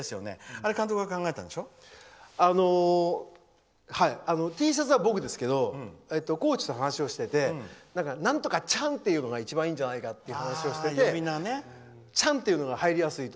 あれ、監督が考えたんでしょ？Ｔシャツは僕ですけどコーチと話をしててなんとかちゃんっていうのが一番いいんじゃないかという話をしてて、「ちゃん」っていうのが入りやすいと。